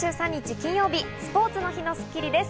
金曜日、スポーツの日の『スッキリ』です。